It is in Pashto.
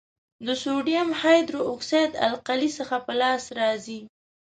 د سوډیم هایدرو اکسایډ القلي څخه په لاس راځي.